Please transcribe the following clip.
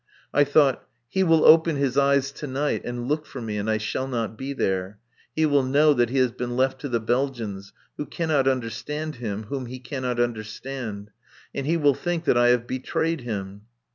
I thought, he will open his eyes to night and look for me and I shall not be there. He will know that he has been left to the Belgians, who cannot understand him, whom he cannot understand. And he will think that I have betrayed him.